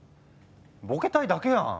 ボケたいだけやん。